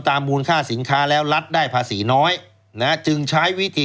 มูลค่าสินค้าแล้วรัฐได้ภาษีน้อยนะจึงใช้วิธี